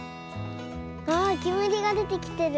あけむりがでてきてる。